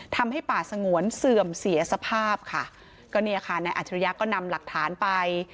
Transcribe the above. ทำให้ป่าสงวนเสื่อมเสียสภาพอัธิริยักษ์นำหลักฐานไป